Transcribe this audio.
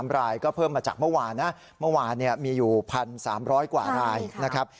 รายก็เพิ่มมาจากเมื่อวานนะเมื่อวานมีอยู่๑๓๐๐กว่ารายนะครับ